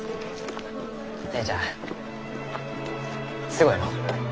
姉ちゃんすごいのう。